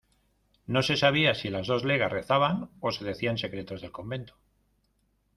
no se sabía si las dos legas rezaban ó se decían secretos del convento